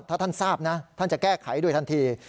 ถ้าท่านทราบนะท่านจะแก้ไขโดยทันที